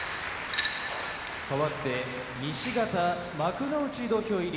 かわって西方幕内力士土俵入り。